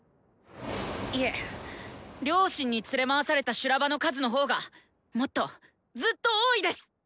いえ両親に連れ回された修羅場の数の方がもっとずっと多いです。